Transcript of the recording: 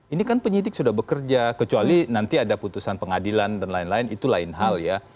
ini kan penyidik sudah bekerja kecuali nanti ada putusan pengadilan dan lain lain itu lain hal ya